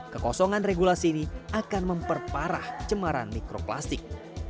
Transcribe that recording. kekosongan regulasi ini akan memperparah cemaran mikroplastik